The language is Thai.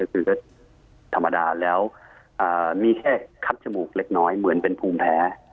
คือก็ธรรมดาแล้วมีแค่คัดจมูกเล็กน้อยเหมือนเป็นภูมิแพ้